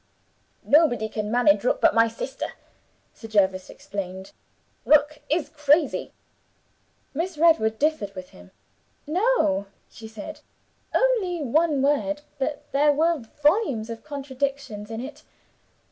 'Nobody can manage Rook but my sister,' Sir Jervis explained; 'Rook is crazy.' Miss Redwood differed with him. 'No!' she said. Only one word, but there were volumes of contradiction in it.